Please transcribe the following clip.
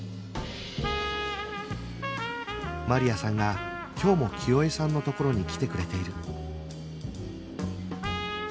マリアさんが今日も清江さんのところに来てくれている